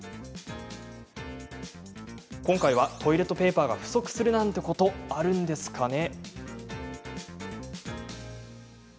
今回は、トイレットペーパーが不足するなんてことあるんですかね？